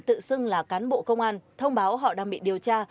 tự xưng là cán bộ công an thông báo họ đang bị điều tra